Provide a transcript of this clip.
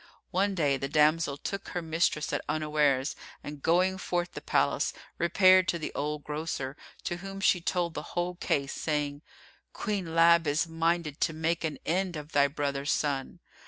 One day, the damsel took her mistress at unawares and going forth the palace, repaired to the old grocer, to whom she told the whole case, saying, "Queen Lab is minded to make an end of thy brother's son."